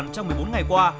trong một mươi bốn ngày qua